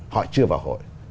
họ chưa vào hội